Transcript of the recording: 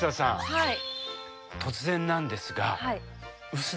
はい。